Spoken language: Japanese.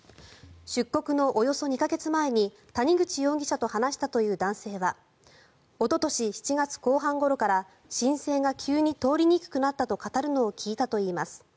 出国のおよそ２か月前に谷口容疑者と話したという男性はおととし７月後半ごろから申請が急に通りにくくなったと語るのを聞いたといいます。